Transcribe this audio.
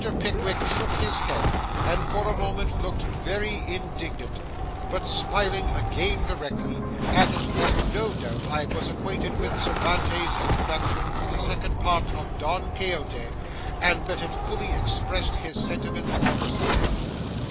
Pickwick shook his head, and for a moment looked very indignant, but smiling again directly, added that no doubt I was acquainted with Cervantes's introduction to the second part of Don Quixote, and that it fully expressed his sentiments on the subject.